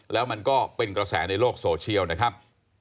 แล้วมันก็เป็นกระแสในโลกโซเชียลนะครับ